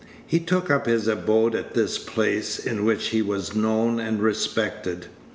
He took up his abode at this place, in which he was known and respected.